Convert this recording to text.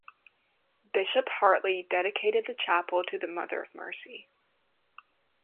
Bishop Hartley dedicated the chapel to Mother of Mercy.